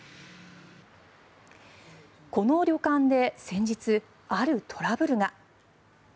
この旅館で先日、あるトラブルが。